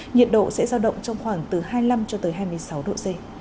nhiệt độ sẽ giao động trong khoảng từ hai mươi năm cho tới hai mươi sáu độ c